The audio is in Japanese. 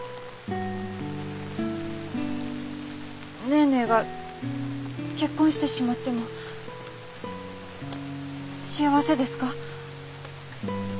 ネーネーが結婚してしまっても幸せですか？